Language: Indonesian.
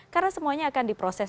karena semuanya akan diproses